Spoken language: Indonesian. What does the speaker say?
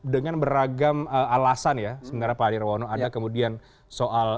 dengan beragam alasan ya sebenarnya pak dirwono ada kemudian soal